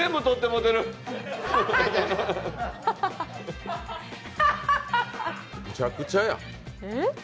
むちゃくちゃや。